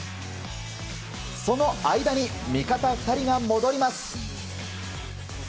その間に味方２人が戻ります。